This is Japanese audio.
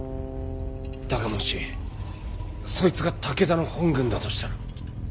だがもしそいつが武田の本軍だとしたら。